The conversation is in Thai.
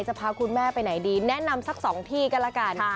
จะพาคุณแม่ไปไหนดีแนะนำสัก๒ที่ก็แล้วกัน